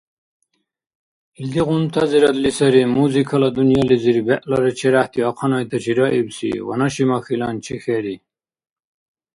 Илдигъунтазирадли сари музыкала дунъялизир бегӀлара черяхӀти ахъанайтачи раибси ванашимахьилан чехьери.